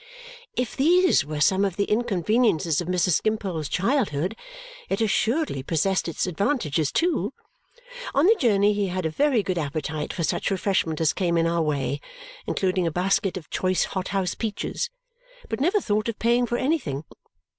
If these were some of the inconveniences of Mr. Skimpole's childhood, it assuredly possessed its advantages too. On the journey he had a very good appetite for such refreshment as came in our way (including a basket of choice hothouse peaches), but never thought of paying for anything.